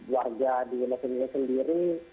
warga di los angeles sendiri